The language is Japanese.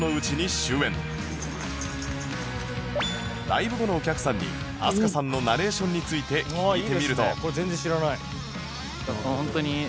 ライブ後のお客さんに飛鳥さんのナレーションについて聞いてみると